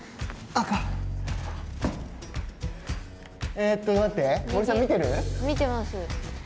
ええっと、待って、見てます。